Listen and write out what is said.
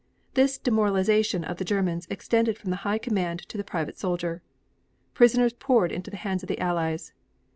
This demoralization of the Germans extended from the High Command to the private soldier. Prisoners poured into the hands of the Allies.